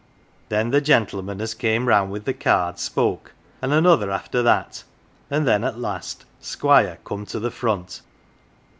Then the gentleman as came round with the cards, spoke, and another after that, and then at last Squire come to the front.